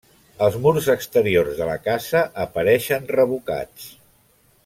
Els murs exteriors de la casa apareixen revocats.